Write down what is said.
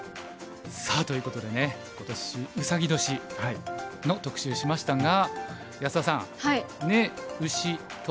さあということでね今年ウサギ年の特集しましたが安田さん子丑寅卯。